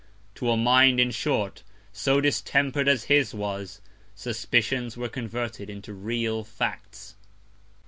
To a Mind, in short, so distemper'd as his was, Suspicions were converted into real Facts.